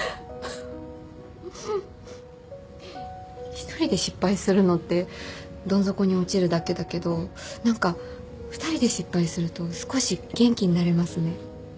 一人で失敗するのってどん底に落ちるだけだけど何か２人で失敗すると少し元気になれますね。